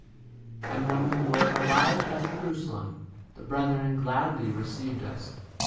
1 And when we were arrived at Jerusalem the 18 brethren gladly received us.